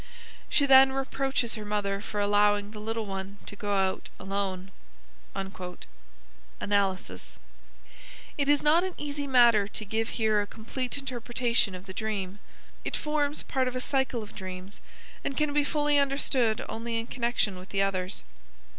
She then reproaches her mother for allowing the little one to go out alone." Analysis. It is not an easy matter to give here a complete interpretation of the dream. It forms part of a cycle of dreams, and can be fully understood only in connection with the others.